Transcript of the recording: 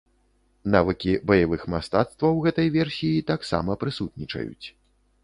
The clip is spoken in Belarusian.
Навыкі баявых мастацтваў гэтай версіі таксама прысутнічаюць.